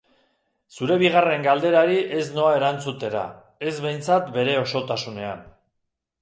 Zure bigarren galderari ez noa erantzutera, ez behintzat bere osotasunean.